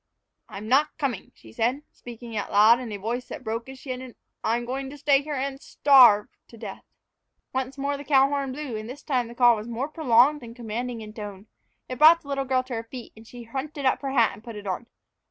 "I'm not coming," she said, speaking out loud in a voice that broke as she ended, "I'm going to stay here and starve to death!" Once more the cow horn blew, and this time the call was more prolonged and commanding in tone. It brought the little girl to her feet, and she hunted up her hat and put it on.